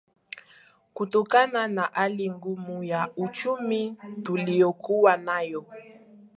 kutokana na hali ngumu ya uchumi tuliokuwa nayo